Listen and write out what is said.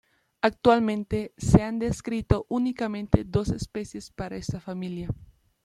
Actualmente se han descrito únicamente dos especies para esta familia.